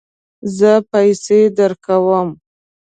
زه پیسې درکوم